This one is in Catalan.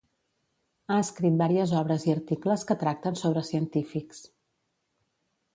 Ha escrit vàries obres i articles que tracten sobre científics.